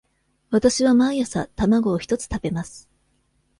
わたしは毎朝卵を一つ食べます。